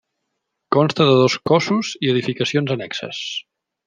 Consta de dos cossos i edificacions annexes.